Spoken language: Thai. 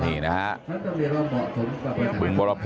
นี่นะฮะ